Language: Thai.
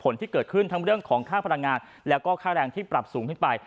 ผลที่เกิดขึ้นทั้งเรื่องของค่าพลังงานแล้วก็ค่าแรงที่ปรับสูงขึ้นไป